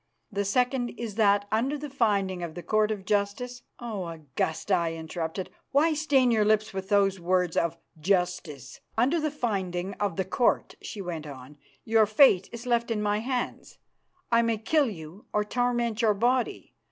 The second is that under the finding of the Court of Justice " "Oh! Augusta," I interrupted, "why stain your lips with those words 'of justice'!" " Under the finding of the Court," she went on, "your fate is left in my hands. I may kill you or torment your body.